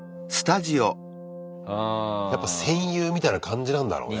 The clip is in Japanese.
やっぱ戦友みたいな感じなんだろうね。